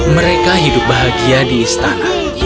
mereka hidup bahagia di istana